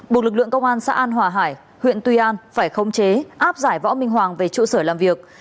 buộc lực lượng công an xã an hòa hải huyện tuy an phải không chế áp giải võ minh hoàng về trụ sở làm việc